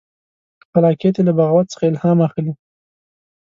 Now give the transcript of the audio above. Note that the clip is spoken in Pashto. خلاقیت یې له بغاوت څخه الهام اخلي.